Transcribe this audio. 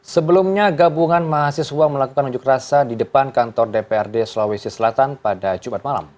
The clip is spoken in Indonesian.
sebelumnya gabungan mahasiswa melakukan unjuk rasa di depan kantor dprd sulawesi selatan pada jumat malam